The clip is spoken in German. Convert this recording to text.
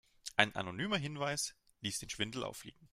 Ein anonymer Hinweis ließ den Schwindel auffliegen.